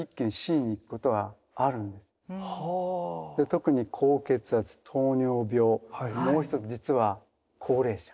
特に高血圧糖尿病もう一つ実は高齢者。